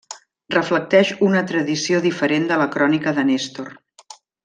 Reflecteix una tradició diferent de la Crònica de Néstor.